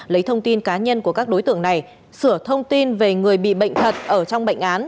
lấy thông tin cá nhân của các đối tượng này sửa thông tin về người bị bệnh thật ở trong bệnh án